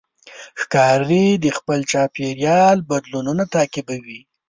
ښکاري د خپل چاپېریال بدلونونه تعقیبوي.